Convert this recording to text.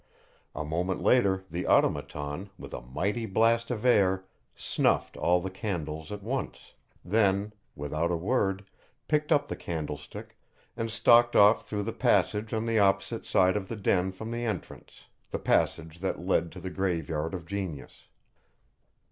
A moment later the Automaton, with a mighty blast of air, snuffed all the candles at once, then, without a word, picked up the candlestick and stalked off through the passage on the opposite side of the den from the entrance, the passage that led to the Graveyard of Genius.